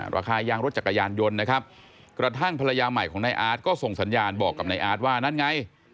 ราคายางรถจักรยานยนต์นะครับกระทั่งภรรยาใหม่ของนายอาร์ตก็ส่งสัญญาณบอกกับนายอาร์ตว่านั่นไง